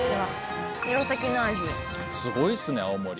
すごいっすね青森。